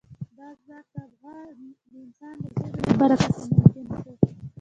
دا ځواک د انسان د ژبې له برکته ممکن شو.